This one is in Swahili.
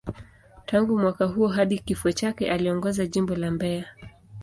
Tangu mwaka huo hadi kifo chake, aliongoza Jimbo la Mbeya.